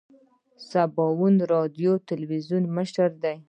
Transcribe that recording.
د سباوون راډیو تلویزون مشر دی.